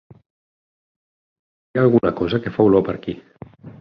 Hi ha alguna cosa que fa olor per aquí.